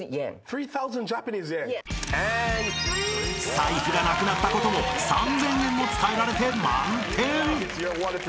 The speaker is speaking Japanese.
［財布がなくなったことも３，０００円も伝えられて満点］